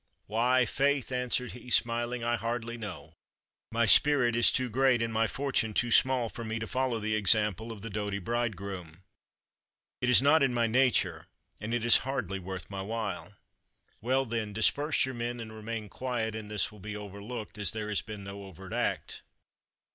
"Why, faith," answered he, smiling, "I hardly know; my spirit is too great, and my fortune too small, for me to follow the example of the doughty bridegroom. It is not in my nature, and it is hardly worth my while." "Well, then, disperse your men, and remain quiet, and this will be overlooked, as there has been no overt act."